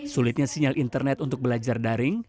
sulitnya sinyal internet untuk belajar daring